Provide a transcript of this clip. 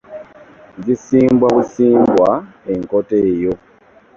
Zisimbwa busimbwa enkoto eyo.